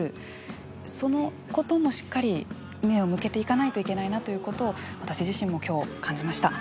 そのこともしっかり目を向けていかないといけないなということを私自身も今日感じました。